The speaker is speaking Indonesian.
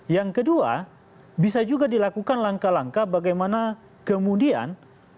yang kedua bisa juga dilakukan langkah langkah bagaimana kemudian